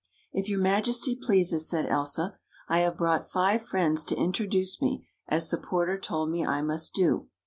" If your Majesty pleases," said Elsa, " I have brought five friends to introduce me, as the porter told me I must do.